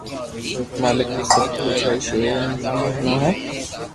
اي مالڪ تو سب ڪجھ ھي سروع تو ھي